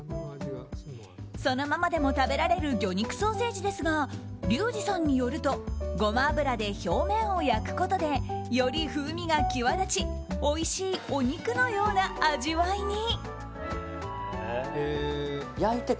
そのままでも食べられる魚肉ソーセージですがリュウジさんによるとゴマ油で表面を焼くことでより風味が際立ちおいしいお肉のような味わいに。